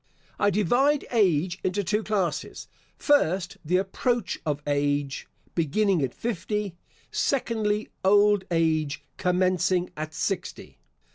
I divide age into two classes. First, the approach of age, beginning at fifty. Secondly, old age commencing at sixty.